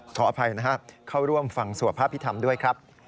ขออภัยนะครับเข้าร่วมฟังสวดพระพิธรรมด้วยครับ